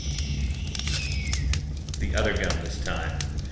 The other gun this time.